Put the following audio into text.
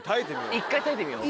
１回耐えてみよう。